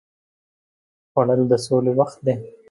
خوړل د سولې وخت دی